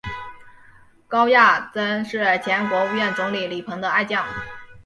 高严曾是前国务院总理李鹏的爱将。